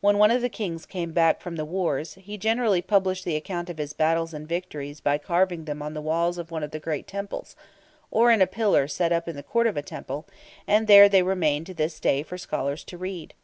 When one of the Kings came back from the wars, he generally published the account of his battles and victories by carving them on the walls of one of the great temples, or on a pillar set up in the court of a temple, and there they remain to this day for scholars to read.